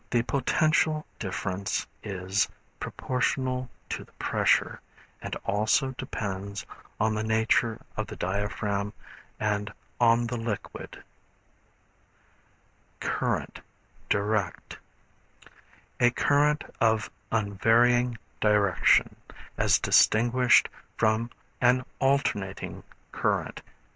The potential difference is proportional to the pressure, and also depends on the nature of the diaphragm and on the liquid. 162 STANDARD ELECTRICAL DICTIONARY. Current, Direct. A current of unvarying direction, as distinguished from an alternating current.